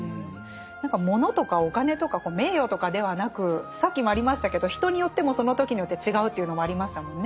物とかお金とか名誉とかではなくさっきもありましたけど人によってもその時によって違うというのもありましたもんね。